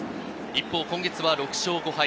一方、今月は６勝５敗。